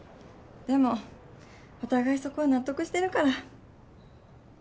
でもお互いそこは納得してるから。